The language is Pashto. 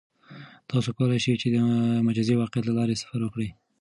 تاسو کولای شئ چې د مجازی واقعیت له لارې سفر وکړئ.